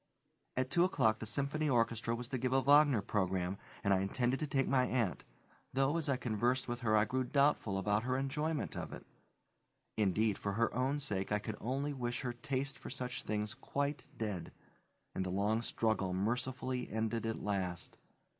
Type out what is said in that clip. At two o'clock the Symphony Orchestra was to give a Wagner program, and I intended to take my aunt; though, as I conversed with her I grew doubtful about her enjoyment of it. Indeed, for her own sake, I could only wish her taste for such things quite dead, and the long struggle mercifully ended at last.